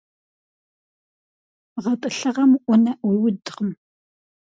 ГъэтӀылъыгъэм Ӏунэ Ӏуиудкъым.